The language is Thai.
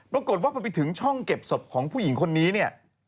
ปรากฏว่าพอไปถึงช่องเก็บศพของผู้หญิงคนนี้เนี่ย